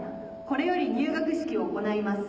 これより入学式を行います。